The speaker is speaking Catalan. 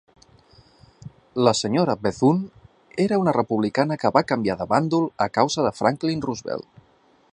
"La senyora Bethune era una republicana que va canviar de bàndol a causa de Franklin Roosevelt".